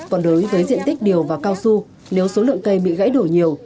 còn đối với diện tích điều và cao su nếu số lượng cây bị gãy đổ nhiều